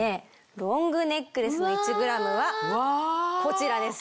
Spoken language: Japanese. ロングネックレスの１ｇはこちらです。